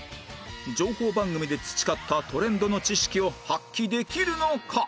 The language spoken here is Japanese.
情報番組で培ったトレンドの知識を発揮できるのか？